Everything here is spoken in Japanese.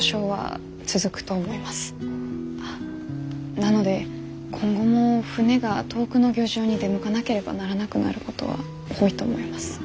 なので今後も船が遠くの漁場に出向かなければならなくなることは多いと思います。